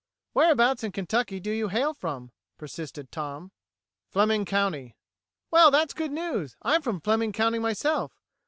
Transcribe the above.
"Whereabouts in Kentucky do you hail from?" persisted Tom. "Fleming County." "Well, that's good news! I'm from Fleming County myself.